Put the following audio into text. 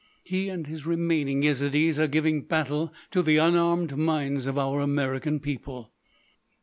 He and his remaining Yezidees are giving battle to the unarmed minds of our American people."